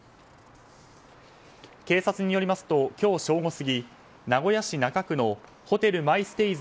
警察によりますと今日正午過ぎ名古屋市中区のホテルマイステイズ